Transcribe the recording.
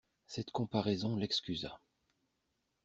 Cette comparaison l'excusa.